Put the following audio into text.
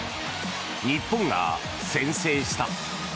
日本が先制した。